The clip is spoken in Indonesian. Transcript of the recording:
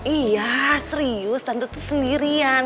iya serius dan itu sendirian